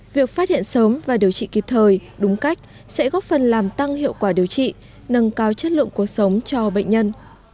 việc phát hiện sớm và điều trị kịp thời đúng cách sẽ góp phần làm tăng hiệu quả điều trị nâng cao chất lượng cuộc sống cho bệnh nhân